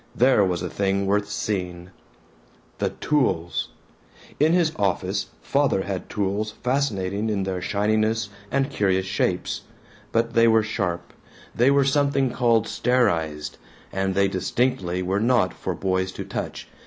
There was a thing worth seeing! The tools! In his office Father had tools fascinating in their shininess and curious shapes, but they were sharp, they were something called sterized, and they distinctly were not for boys to touch.